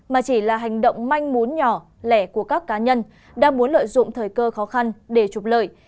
mà chỉ là hành động manh mún nhỏ lẻ của các cá nhân đang muốn lợi dụng thời cơ khó khăn để trục lợi